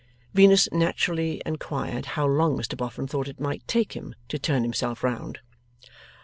Venus naturally inquired how long Mr Boffin thought it might take him to turn himself round?